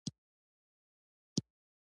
په دې کې بنسټیزې او نوې څیړنې راځي.